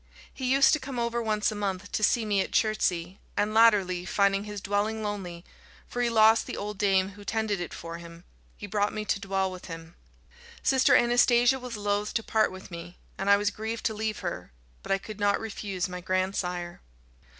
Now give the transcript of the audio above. He used to come over once a month to see me at Chertsey and latterly, finding his dwelling lonely, for he lost the old dame who tended it for him, he brought me to dwell with him. Sister Anastasia was loth to part with me and I was grieved to leave her but I could not refuse my grandsire."